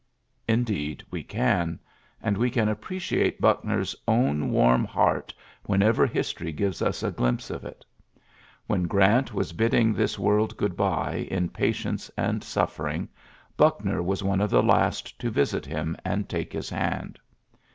Indeed, we can ; and we can appreciate Buckner's own warm heart whenever history gives us a glimpse of it When Grant was bidding this world good by in patience and suffering, Buckner was one of the last to visit him, and take his hand.